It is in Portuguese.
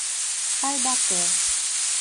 Caibaté